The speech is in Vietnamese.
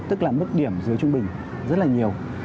tức là mức điểm dưới trung bình rất là nhiều